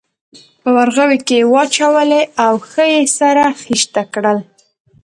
په ورغوي کې یې واچولې او ښه یې سره خیشته کړل.